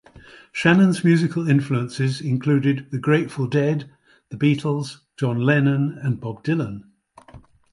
Shannon's musical influences included the Grateful Dead, The Beatles, John Lennon, and Bob Dylan.